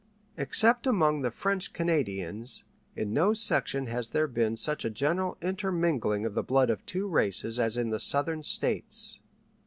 Except among the French Canadians, in no section has there been such a general intermingling of the blood of the two races as in the Southern States.